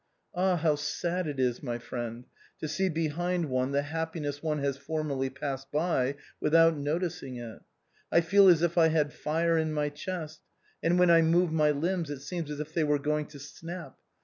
Ah! how sad it is, my friend, to see behind one the happiness one has formerly passed by without noticing it. I feel as if I had fire in my chest, and when I move my limbs it seems as if they were going to snap.